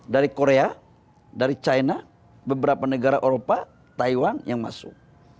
dari korea dari china beberapa negara eropa taiwan yang masuk